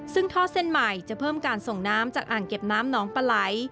ซึ่งท่อเส้นใหม่จะเพิ่มการส่งน้ำจากอ่างเก็บน้ำหนองปลาไหล